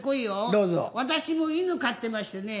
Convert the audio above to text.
私も犬飼ってましてね。